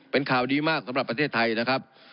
เป็นข่าวดีมากสำหรับประเทศไทยนะครับ